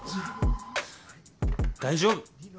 大丈夫。